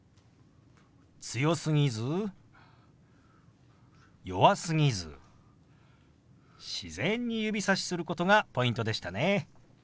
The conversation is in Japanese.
強すぎず弱すぎず自然に指さしすることがポイントでしたね。